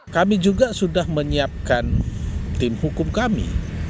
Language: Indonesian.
kami juga sudah menyiapkan tim hukum kami